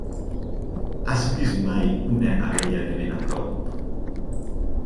Has vist mai una abella de ben a prop?